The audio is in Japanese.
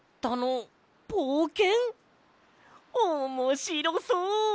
おもしろそう！